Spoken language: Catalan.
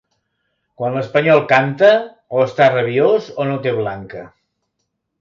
Quan l'espanyol canta o està rabiós o no té blanca.